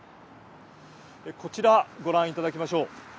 こちら、ご覧いただきましょう。